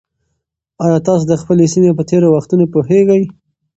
ایا تاسي د خپلې سیمې په تېرو وختونو پوهېږئ؟